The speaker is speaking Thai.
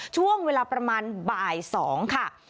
ช่วงเวลาประมาณบ่าย๒ค่ะ